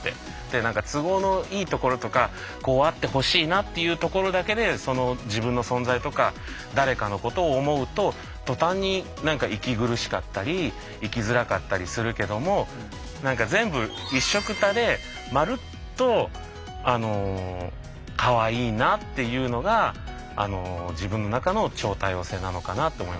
なんか都合のいいところとかこうあってほしいなっていうところだけで自分の存在とか誰かのことを思うと途端になんか息苦しかったり生きづらかったりするけどもなんか全部一緒くたで丸っとかわいいなっていうのが自分の中の超多様性なのかなと思いました。